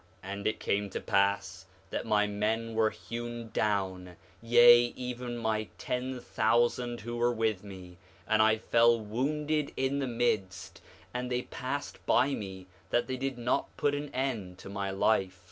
6:10 And it came to pass that my men were hewn down, yea, even my ten thousand who were with me, and I fell wounded in the midst; and they passed by me that they did not put an end to my life.